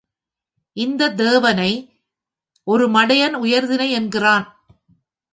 இந்தத் தேவனை ஒரு மடையன் உயர்திணை என்கிறான்.